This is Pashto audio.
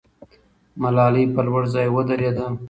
ملالۍ پر لوړ ځای ودرېده.